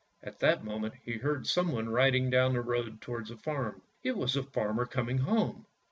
At that moment he heard someone riding down the road towards the farm. It was the farmer coming home.